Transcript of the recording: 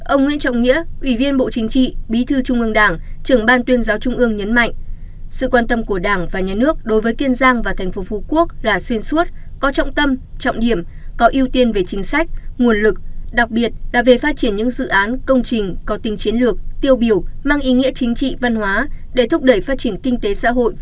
ông nguyễn trọng nghĩa ủy viên bộ chính trị bí thư trung ương và nhiều đồng chí nguyên là lãnh đạo một số bộ ban ngành trung ương và nhiều đồng chí nguyên là lãnh đạo một số bộ ban ngành trung ương